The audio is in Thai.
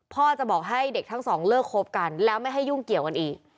พ่อจะบอกให้เด็กทั้งสองเลิกคบกันแล้วไม่ให้ยุ่งเกี่ยวกันอีก